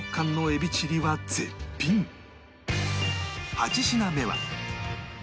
８品目は